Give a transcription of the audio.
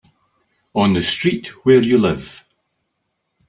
On the street where you live.